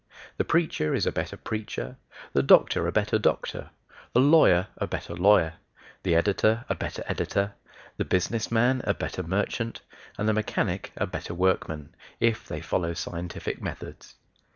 The preacher is a better preacher, the doctor a better doctor, the lawyer a better lawyer, the editor a better editor, the business man a better merchant, and the mechanic a better workman, if they follow scientific methods.